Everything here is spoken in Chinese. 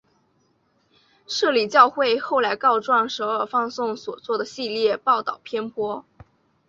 摄理教会后来状告首尔放送所做的系列报导偏颇。